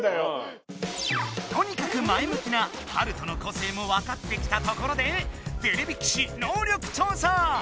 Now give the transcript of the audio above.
とにかく前向きなハルトの個性もわかってきたところでてれび騎士能力調査。